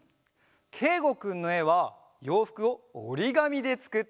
けいごくんのえはようふくをおりがみでつくっているんだよ。